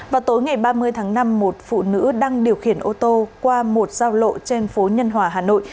vào tối ngày ba mươi tháng năm một phụ nữ đang điều khiển ô tô qua một giao lộ trên phố nhân hòa hà nội